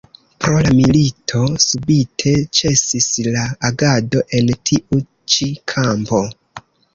Pro la milito subite ĉesis la agado en tiu ĉi kampo.